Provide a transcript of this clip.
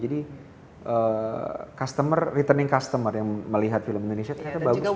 jadi customer returning customer yang melihat film indonesia mereka bagus